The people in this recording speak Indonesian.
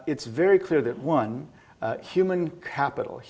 ide di atas tabel